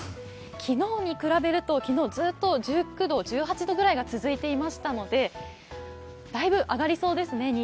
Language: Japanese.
昨日に比べると、昨日はずっと１８度、１９度ぐらいが続いてましたので日中、だいぶ上がりそうですね。